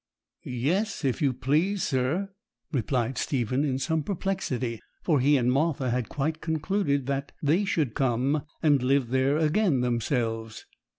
'Yes, if you please, sir,' replied Stephen, in some perplexity; for he and Martha had quite concluded that, they should come and live there again themselves.